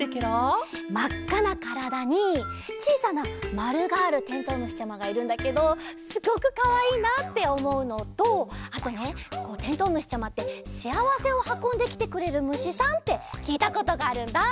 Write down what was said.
まっかなからだにちいさなまるがあるてんとうむしちゃまがいるんだけどすごくかわいいなっておもうのとあとねこうてんとうむしちゃまってしあわせをはこんできてくれるむしさんってきいたことがあるんだ。